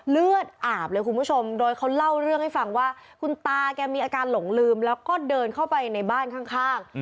เลือดอาบเลยคุณผู้ชมโดยเขาเล่าเรื่องให้ฟังว่าคุณตาแกมีอาการหลงลืมแล้วก็เดินเข้าไปในบ้านข้าง